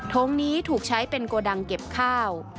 งงนี้ถูกใช้เป็นโกดังเก็บข้าว